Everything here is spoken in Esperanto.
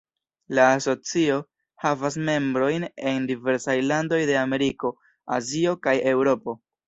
La asocio havas membrojn en diversaj landoj de Ameriko, Azio kaj Eŭropo.